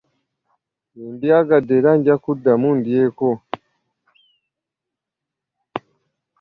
Nze mbyagadde era nja kuddamu ndyeko.